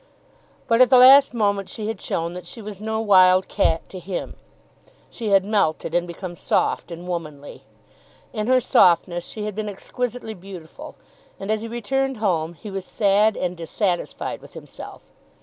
But at the last moment she had shown that she was no wild cat to him. She had melted, and become soft and womanly. In her softness she had been exquisitely beautiful; and as he returned home he was sad and dissatisfied with himself.